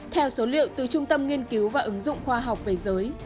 theo số liệu từ trung tâm nghiên cứu và ứng dụng khoa học về giới